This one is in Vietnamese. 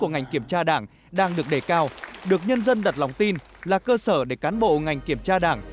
của ngành kiểm tra đảng đang được đề cao được nhân dân đặt lòng tin là cơ sở để cán bộ ngành kiểm tra đảng